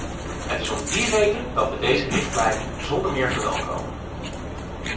Het is om die reden dat we deze richtlijn zonder meer verwelkomen.